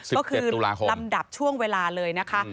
ก็คือลำดับช่วงเวลาเลยนะคะ